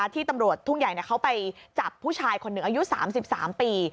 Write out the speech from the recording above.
ที่ตำรวจทุ่งใหญ่เขาไปจับผู้ชายคนหนึ่งอายุ๓๓ปี